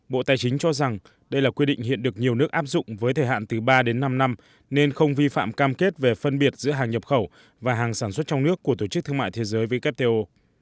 bộ tài chính cho rằng đây là quy định hiện được nhiều nước áp dụng với thời hạn từ ba đến năm năm nên không vi phạm cam kết về phân biệt giữa hàng nhập khẩu và hàng sản xuất trong nước của tổ chức thương mại thế giới wto